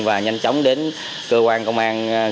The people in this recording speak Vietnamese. và nhanh chóng đến cơ quan công an gân